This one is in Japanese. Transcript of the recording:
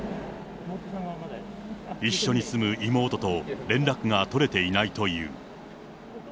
一緒に住む妹と連絡が取れていないという。